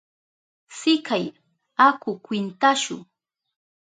Sikay, aku kwintashu.